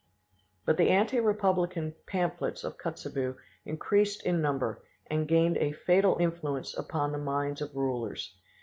But the anti republican pamphlets of Kotzebue increased in number and gained a fatal influence upon the minds of rulers.